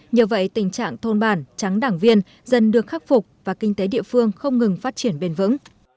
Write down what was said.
nhờ vậy tình trạng thôn bản trắng đảng viên dần được khắc phục và kinh tế địa phương không ngừng phát triển bền vững